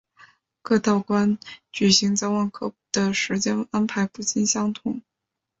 各道观举行早晚课的时间安排不尽相同。